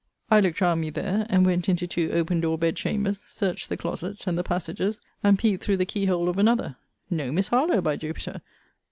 I looked round me there, and went into two open door bed chambers; searched the closets, and the passages, and peeped through the key hole of another: no Miss Harlowe, by Jupiter!